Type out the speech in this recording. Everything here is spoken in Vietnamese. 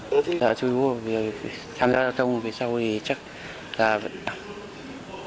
chúng ta đã chú ý vô tham gia giao thông về sau thì chắc là vẫn đảm bảo